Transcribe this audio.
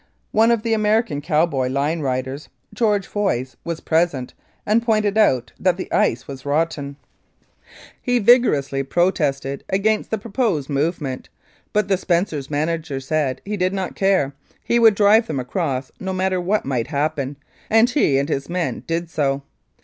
One of the American cowboy line riders, George Voice, was present and pointed out that the ice was rotten. He 159 Mounted Police Life in Canada vigorously protested against the proposed movement, but the Spencers' manager said he did not care he would drive them across no matter what might happen, and he and his men did so.